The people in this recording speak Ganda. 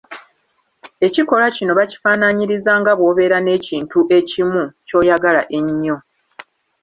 Ekikolwa kino bakifaanaanyiriza nga bw'obera n'ekintu ekimu, ky'oyagala ennyo.